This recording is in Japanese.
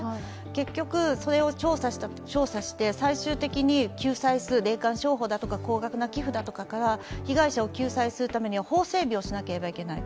結局、それを調査して、最終的に救済する、霊感商法だとか高額な寄付などから被害者を救済するためには法整備をしないといけない。